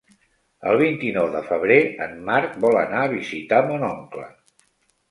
El vint-i-nou de febrer en Marc vol anar a visitar mon oncle.